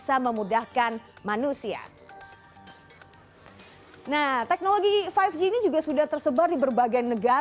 apa yang terjadi